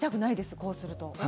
こうすると。